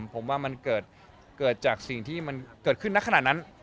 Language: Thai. ผมว่ามันเกิดจากสิ่งที่มันเกิดขึ้นในขณะนั้น